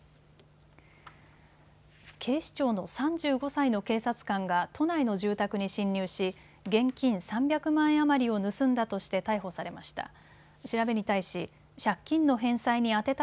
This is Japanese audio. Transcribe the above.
警視庁の３５歳の警察官が都内の住宅に侵入し、現金３００万円余りを盗んだとして逮捕されました。